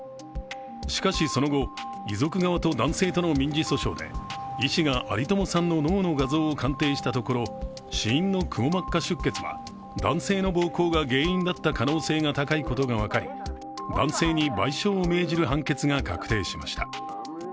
しかし、その後、遺族側と男性との民事訴訟で医師が有友さんの脳の画像を鑑定したところ、死因のくも膜下出血は男性の暴行が原因だった可能性が分かり、男性に賠償を命じる判決が確定しました。